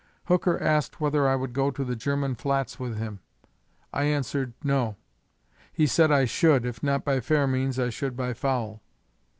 Hooker asked whether I would go to the German Flats with him. I answered, No. He said I should, if not by fair means I should by foul.